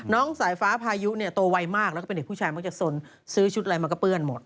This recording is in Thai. น้องสายฟ้าพายุตัวไวมากและเป็นเด็กผู้ชายมากจะสนซื้อชุดอะไรมาก็เปื่อนหมด